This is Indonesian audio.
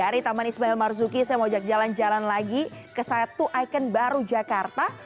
dari taman ismail marzuki saya mau ajak jalan jalan lagi ke satu ikon baru jakarta